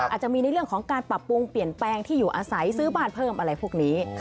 อาจจะมีในเรื่องของการปรับปรุงเปลี่ยนแปลงที่อยู่อาศัยซื้อบ้านเพิ่มอะไรพวกนี้